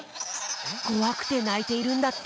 こわくてないているんだって。